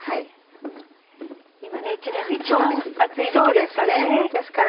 今一年で一番暑い時期ですから。